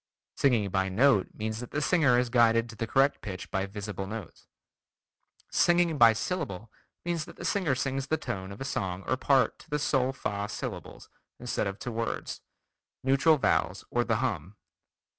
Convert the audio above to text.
Singing by note means that the singer is guided to the correct pitch by visible notes. Singing by syllable means that the singer sings the tones of a song or part to the sol fa syllables instead of to words, neutral vowels or the hum.